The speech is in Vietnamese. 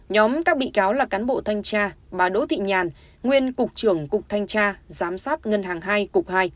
nhóm các bị cáo là cán bộ thanh tra bà đỗ thị nhàn nguyên cục trưởng cục thanh tra giám sát ngân hàng hai cục hai